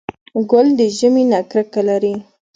ګل د ژمي نه کرکه لري.